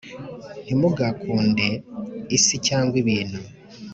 Ntimugakunde isi cyangwa ibintu